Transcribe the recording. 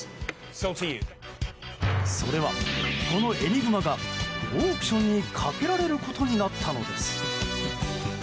それは、このエニグマがオークションにかけられることになったのです。